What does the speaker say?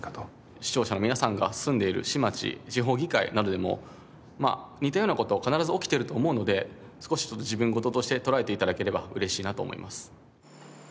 視聴者の皆さんが住んでいる市町地方議会などでも似たような事は必ず起きていると思うので少し自分事として捉えて頂ければ嬉しいなと思います。